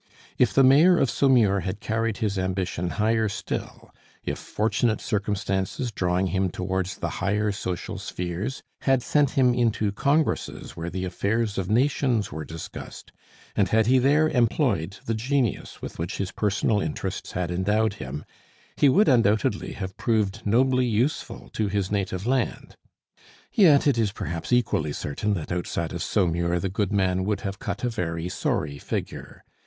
If the mayor of Saumur had carried his ambition higher still, if fortunate circumstances, drawing him towards the higher social spheres, had sent him into congresses where the affairs of nations were discussed, and had he there employed the genius with which his personal interests had endowed him, he would undoubtedly have proved nobly useful to his native land. Yet it is perhaps equally certain that outside of Saumur the goodman would have cut a very sorry figure.